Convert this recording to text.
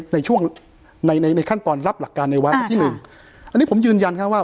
ในช่วงในในขั้นตอนรับหลักการในวาระที่หนึ่งอันนี้ผมยืนยันครับว่า